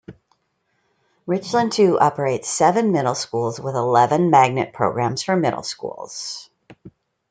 Richland Two operates seven middle schools, with eleven magnet programs for middle schools.